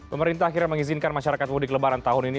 pemerintah akhirnya mengizinkan masyarakat mudik lebaran tahun ini